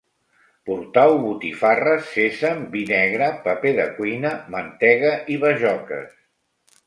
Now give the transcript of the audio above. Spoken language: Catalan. Portau botifarres, sèsam, vi negre, paper de cuina, mantega i bajoques